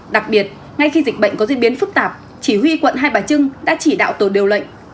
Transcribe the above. đặc biệt ngay khi dịch bệnh có diễn biến phức tạp chỉ huy quận hai bà trưng đã chỉ đạo tổ điều lệnh